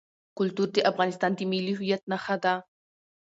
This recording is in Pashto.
کلتور د افغانستان د ملي هویت نښه ده.